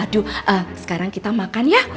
aduh sekarang kita makan ya